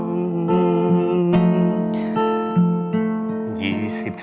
ข้าร้องกลารชั้น